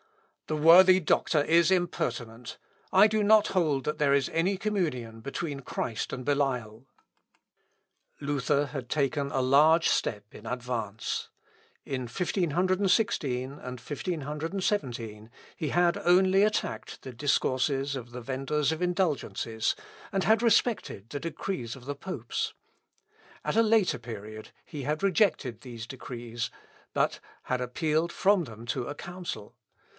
"The worthy doctor is impertinent. I do not hold that there is any communion between Christ and Belial." [Sidenote: THE COURT FOOL. LUTHER AT MASS.] Luther had taken a large step in advance. In 1516, and 1517, he had only attacked the discourses of the venders of indulgences, and had respected the decrees of the popes. At a later period he had rejected these decrees, but had appealed from them to a council.